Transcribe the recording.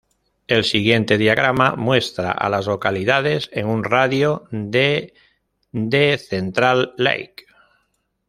El siguiente diagrama muestra a las localidades en un radio de de Central Lake.